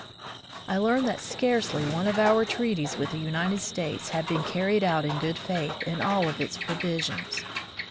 I learned that scarcely 152 At the Nation's Capital one of our treaties with the United States had been carried out in good faith in all of its provisions.